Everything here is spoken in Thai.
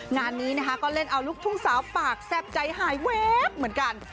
งานนี้นะคะก็เล่นเอาลูกทุ่งสาวปากแซ่บใจหายแวบเหมือนกัน